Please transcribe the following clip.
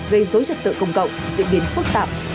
gây dối trật tự công cộng diễn biến phức tạp